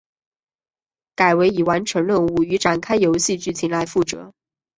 改为以完成任务与展开游戏剧情来负责。